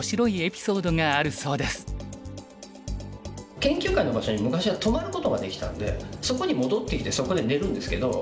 研究会の場所に昔は泊まることができたんでそこに戻ってきてそこで寝るんですけど。